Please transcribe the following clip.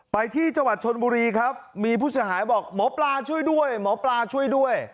ไปที่จังหวัดชนบุรีครับมีผู้เสียหายบอกหมอปลาช่วยด้วยหมอปลาช่วยด้วย